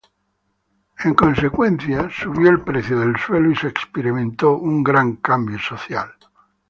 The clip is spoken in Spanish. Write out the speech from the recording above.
En consecuencia subió el precio del suelo y se experimentó un gran cambio social.